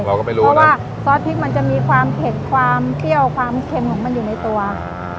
เราก็ไม่รู้ว่าซอสพริกมันจะมีความเผ็ดความเปรี้ยวความเค็มของมันอยู่ในตัว